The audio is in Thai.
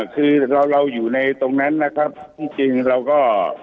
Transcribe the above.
คือเราเราอยู่ในตรงนั้นนะครับที่จริงเราก็